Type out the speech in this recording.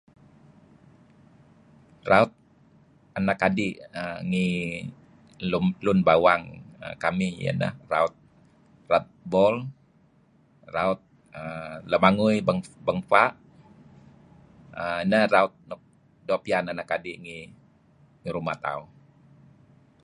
Raut anak adih ngi...long lun bawang kamih iyah nah, raut, raut bol..raut err lamagui bang fa' err nah raut nuk do pian ngi ruma' tauh.